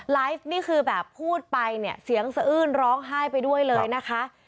นี่คือแบบพูดไปเนี่ยเสียงสะอื้นร้องไห้ไปด้วยเลยนะคะ